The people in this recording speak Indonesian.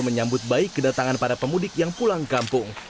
menyambut baik kedatangan para pemudik yang pulang kampung